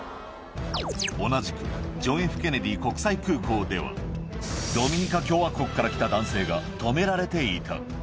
同じくジョン・Ｆ・ケネディ国際空港では、ドミニカ共和国から来た男性が止められていた。